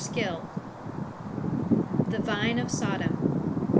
SKILL "The vine of Sodom."